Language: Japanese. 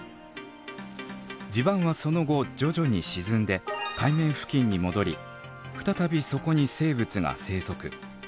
地盤はその後徐々に沈んで海面付近に戻り再びそこに生物が生息。